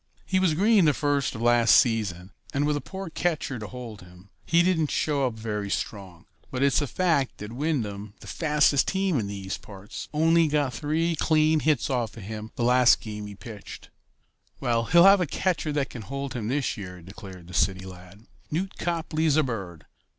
"He was green the first of last season, and with a poor catcher to hold him he didn't show up very strong; but it's a fact that Wyndham, the fastest team in these parts, only got three clean hits off him the last game he pitched." "Well, he'll have a catcher that can hold him this year," declared the city lad. "Newt Copley is a bird.